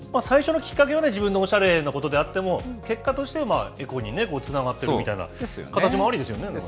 最初のきっかけは自分のおしゃれのことであっても、結果として、エコにつながっているみたいな形もありですよね。